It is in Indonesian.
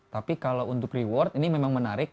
tapi kalau untuk reward ini memang menarik